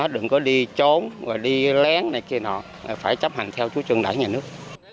đừng có đi trốn đi lén này kia nọ phải chấp hành theo chú trương đại nhà nước